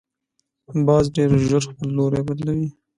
باز ډیر ژر خپل لوری بدلوي